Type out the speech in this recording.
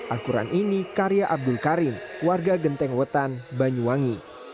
al quran ini karya abdul karim warga genteng wetan banyuwangi